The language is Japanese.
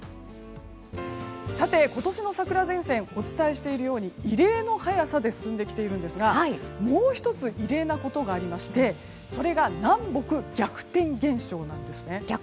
今年の桜前線お伝えしているように異例の速さで進んできているんですがもう１つ異例なことがありましてそれが南北逆転現象なんです。